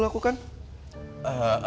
tidak pak hasbul